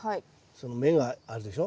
その芽があるでしょ。